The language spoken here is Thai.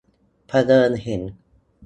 เผอิญเห็น